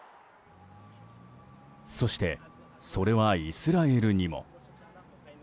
そして、それはイスラエルにも。